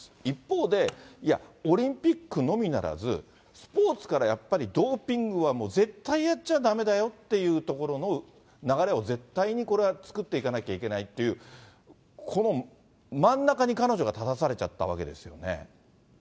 一方で、いや、オリンピックのみならず、スポーツからやっぱり、ドーピングはもう絶対やっちゃだめだよっていうところの、流れを絶対にこれは作っていかなきゃいけないっていう、この真ん中に彼女が立たされちゃったわけですよね。